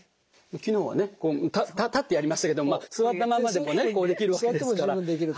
昨日はね立ってやりましたけれども座ったままでもねこうできるわけですから。